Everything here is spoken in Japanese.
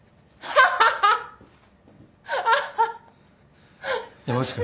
ハハハハハ。